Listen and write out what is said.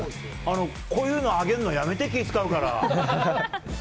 こういうの上げるのやめて気を使うから。